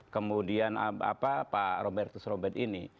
kemudian pak robertus robert ini